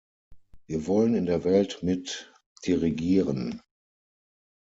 Wir wollen in der Welt mit dirigieren.